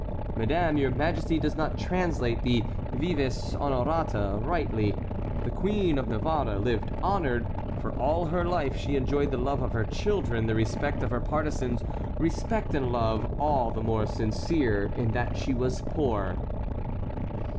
"Madame, your majesty does not translate the vives honorata rightly. The Queen of Navarre lived honored; for all her life she enjoyed the love of her children, the respect of her partisans; respect and love all the more sincere in that she was poor."